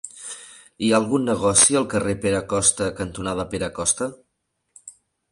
Hi ha algun negoci al carrer Pere Costa cantonada Pere Costa?